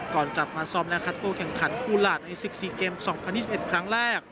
ก่อนกลับมาซ้อมและคัดตัวแข่งขันคู่หลาดในศึก๔เกม๒๐๒๑ครั้งแรก